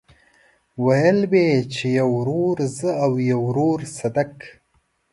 ويل به يې چې يو ورور زه او يو ورور صدک.